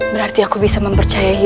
berarti aku bisa mempercayai